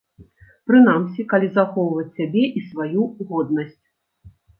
Прынамсі, калі захоўваць сябе і сваю годнасць.